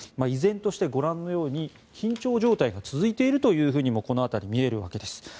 依然として、ご覧のように緊張状態が続いているともこの辺り、見えるわけです。